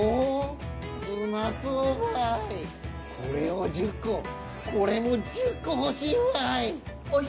これを１０ここれも１０こほしいバイ！